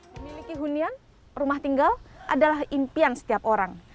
memiliki hunian rumah tinggal adalah impian setiap orang